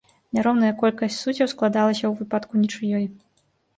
Няроўная колькасць суддзяў складалася ў выпадку нічыёй.